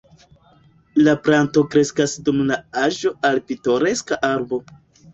La planto kreskas dum la aĝo al pitoreska arbo.